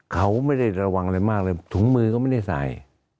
เขาไม่ได้ระวังอะไรมากเลยถุงมือก็ไม่ได้ใส่